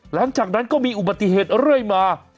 หลังจากนั้นก็มีอุบัติเหตุเรื่อยมา